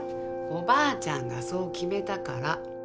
おばあちゃんがそう決めたから。